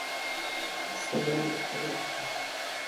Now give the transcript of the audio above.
قصر خطوي وحنا صعدتي